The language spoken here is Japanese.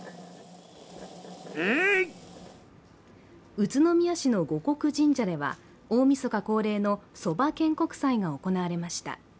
宇都宮市の護国神社では大みそか恒例のそば献穀祭が行われました。